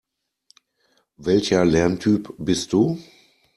Welcher Lerntyp bist du?